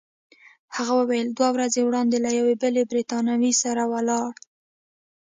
هغه وویل: دوه ورځې وړاندي له یوې بلې بریتانوۍ سره ولاړه.